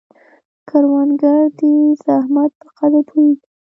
کروندګر د زحمت په قدر پوهیږي